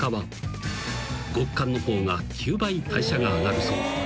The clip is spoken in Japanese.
［極寒の方が９倍代謝が上がるそう］